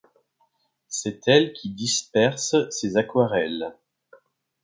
C'est elle qui disperse ses aquarelles.